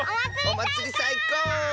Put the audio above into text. おまつりさいこう！